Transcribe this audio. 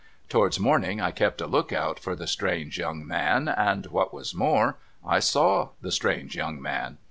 Towards morning I kept a look out for the strange young man, and^ — what was more — I saw the strange young man.